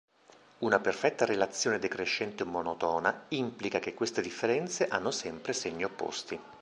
Una perfetta relazione decrescente monotona implica che queste differenze hanno sempre segni opposti.